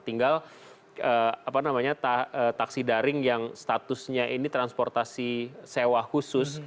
tinggal taksi daring yang statusnya ini transportasi sewa khusus